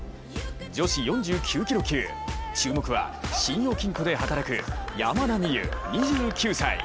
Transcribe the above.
女子４９キロ級、注目は信用金庫で働く山田美諭２９歳。